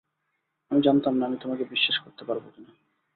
আমি জানতাম না, আমি তোমাকে বিশ্বাস করতে পারবো কিনা।